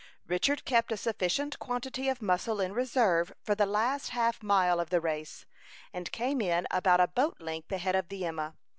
Richard kept a sufficient quantity of muscle in reserve for the last half mile of the race, and came in about a boat length ahead of the Emma.